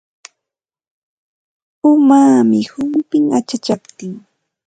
Umaami humpin achachaptin.